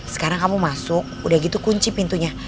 sekarang kamu masuk udah gitu kunci pintunya